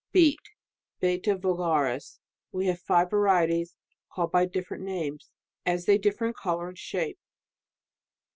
] Beet Beta vulgaris. [We have five varieties, call ed by different names, as they differ in colour and shape.